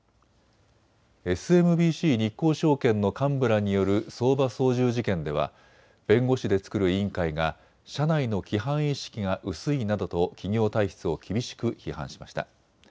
ＳＭＢＣ日興証券の幹部らによる相場操縦事件では弁護士で作る委員会が社内の規範意識が薄いなどと企業体質を厳しく批判しました。